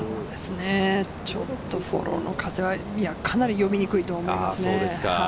ちょっと、フォローの風はかなり読みにくいと思いますね。